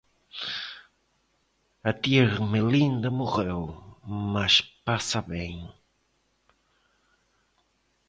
A tia Ermelinda morreu mas passa bem.